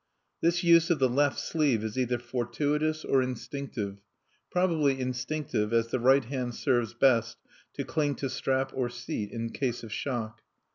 (This use of the left sleeve is either fortuitous or instinctive; probably instinctive, as the right hand serves best to cling to strap or seat in case of shock.)